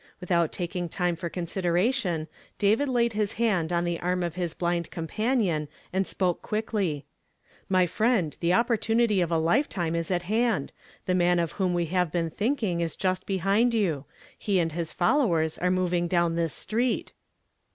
Without taking time for con sideration, David laid his hand on the arm of his blind companion and spoke quickly. " My friend, the opportunity of a lifetime is at hand. The man of whom we have been thinking is just behind you. He and liis followers are mov mg down this street."